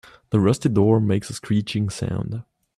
The rusty door makes a screeching sound.